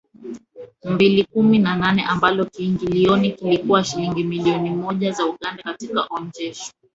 mbili kumi na nne ambalo kiingilioni kilikuwa shilingi milioni moja za Uganda Katika onesho